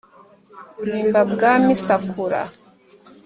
bwimba bwa misakura